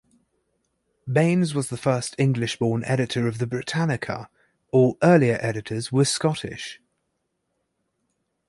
Baynes was the first English-born editor of the "Britannica"; all earlier editors were Scottish.